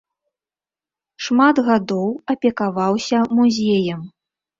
Шмат гадоў апекаваўся музеем.